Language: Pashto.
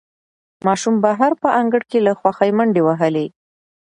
ماشوم بهر په انګړ کې له خوښۍ منډې وهلې